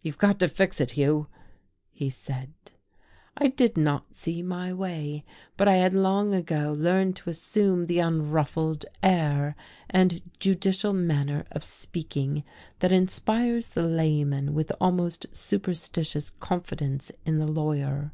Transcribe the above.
"You've got to fix it, Hugh," he said. I did not see my way, but I had long ago learned to assume the unruffled air and judicial manner of speaking that inspires the layman with almost superstitious confidence in the lawyer....